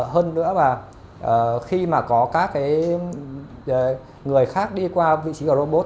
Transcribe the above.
hơn nữa là khi mà có các người khác đi qua vị trí của robot